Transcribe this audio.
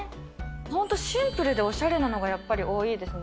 本当、シンプルでおしゃれなのがやっぱり多いですね。